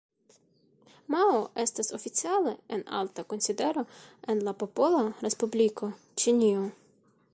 Mao estas oficiale en alta konsidero en la Popola Respubliko Ĉinio.